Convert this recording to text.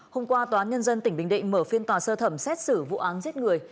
hôm qua tòa án nhân dân tỉnh bình định mở phiên tòa sơ thẩm xét xử vụ án giết người